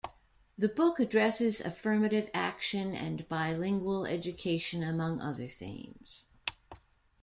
The book addresses affirmative action and bilingual education, among other themes.